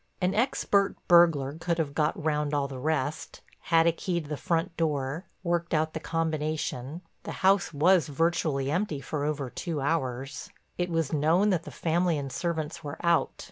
An expert burglar could have got round all the rest, had a key to the front door, worked out the combination—the house was virtually empty for over two hours—it was known that the family and servants were out.